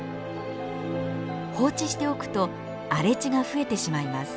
放置しておくと荒れ地が増えてしまいます。